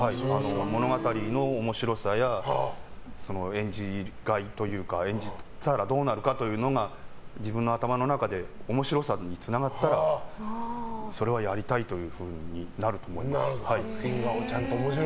物語の面白さや演じがいというか演じたらどうなるかというのが自分の頭の中で面白さにつながったらそれはやりたいというふうになると思います。